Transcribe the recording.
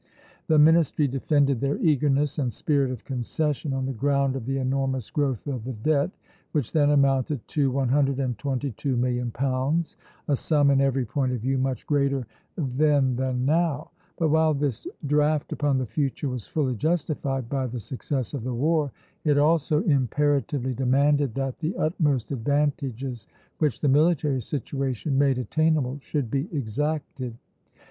The ministry defended their eagerness and spirit of concession on the ground of the enormous growth of the debt, which then amounted to £122,000,000, a sum in every point of view much greater then than now; but while this draft upon the future was fully justified by the success of the war, it also imperatively demanded that the utmost advantages which the military situation made attainable should be exacted.